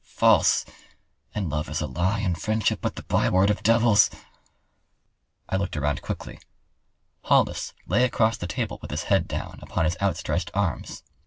—false, and Love is a lie and friendship but the byword of devils!" I looked around quickly. Hollis lay across the table with his head down upon his outstretched arms.